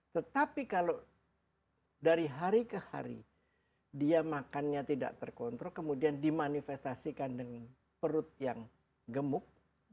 tetapi kalau dari hari ke hari dia makannya tidak terkontrol kemudian dimanifestasikan dengan perut yang gemuk